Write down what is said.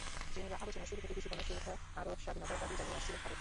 Geneva আলোচনায় শুরু থেকে কৃষিপণ্য সুরক্ষায় আরও স্বাধীনতার দাবি জানিয়ে আসছিল ভারত।